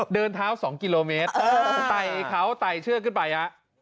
เดินเท้า๒กิโลเมตรไต่เขาไต่เชือกขึ้นไปฮะ